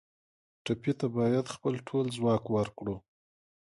ټپي ته باید خپل ټول ځواک ورکړو.